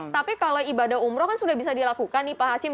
tapi kalau ibadah umroh kan sudah bisa dilakukan nih pak hashim